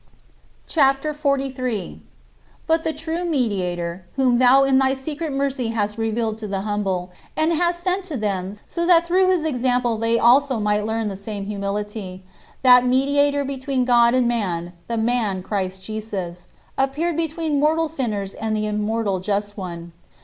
CHAPTER XLIII 68. But the true Mediator, whom thou in thy secret mercy hast revealed to the humble, and hast sent to them so that through his example they also might learn the same humility that "Mediator between God and man, the man Christ Jesus," appeared between mortal sinners and the immortal Just One.